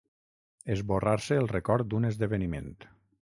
Esborrar-se el record d'un esdeveniment.